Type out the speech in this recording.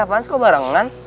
apaan sih kok barengan